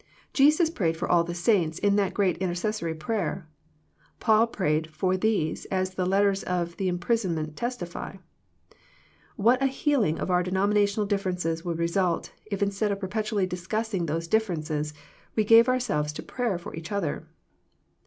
Jesus prayed for all the saints in that great in tercessory prayer. Paul prayed for these as the letters of the imprisonment testify. What a heal ing of our denominational differences would re sult, if instead of perpetually discussing those differences we gave ourselves to prayer for each other.